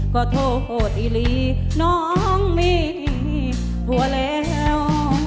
ขอโทษอีลีน้องมีผัวแล้ว